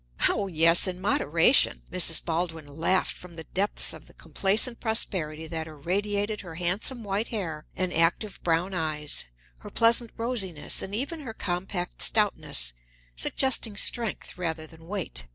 "Oh, yes, in moderation!" Mrs. Baldwin laughed from the depths of the complacent prosperity that irradiated her handsome white hair and active brown eyes, her pleasant rosiness, and even her compact stoutness, suggesting strength rather than weight.